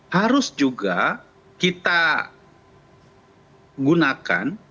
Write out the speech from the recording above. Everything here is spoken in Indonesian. harus juga kita gunakan